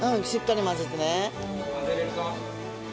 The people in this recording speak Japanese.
しっかり混ぜてね。